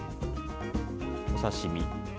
お刺身。